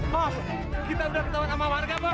mas kita udah ketawa sama warga bos